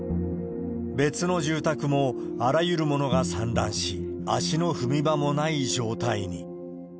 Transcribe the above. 別の住宅も、あらゆるものが散乱し、足の踏み場もない状態に。